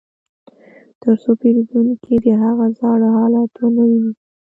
ترڅو پیرودونکي د هغه زاړه حالت ونه ویني